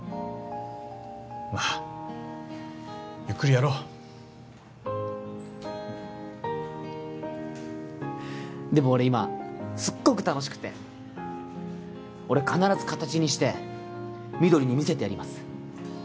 まあゆっくりやろうでも俺今すっごく楽しくて俺必ず形にしてみどりに見せてやります